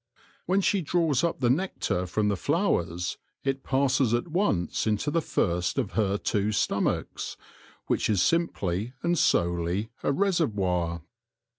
When she draws up the nectar from the flowers, it passes at once into the first of her two stomachs, which is simply and solely a reservoir.